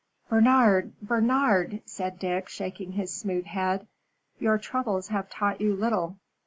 "Bernard! Bernard!" said Dick, shaking his smooth head, "your troubles have taught you little.